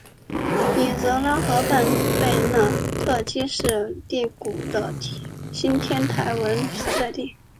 伊泽拉河畔贝纳特基是第谷的新天文台所在地。